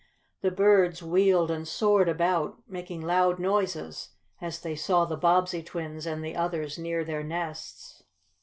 The birds wheeled and soared about, making loud noises as they saw the Bobbsey twins and the others near their nests.